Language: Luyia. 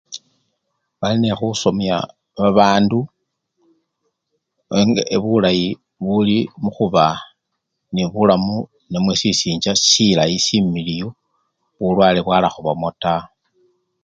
Balinekhusomya babandu enge! bulayi buli mukhuba nebulamu namwe sisincha silayi similiyu bulwale bwala khubamo taa.